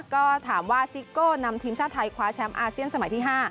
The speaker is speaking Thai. ก็ถามว่าซิโก้นำทีมชาติไทยคว้าแชมป์อาเซียนสมัยที่๕